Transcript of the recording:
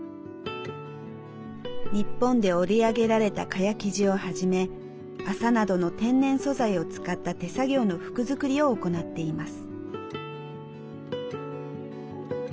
日本で織り上げられた蚊帳生地をはじめ麻などの天然素材を使った手作業の服作りを行っています。